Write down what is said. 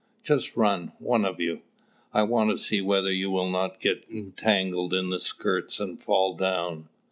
Just run, one of you! I want to see whether you will not get entangled in the skirts, and fall down."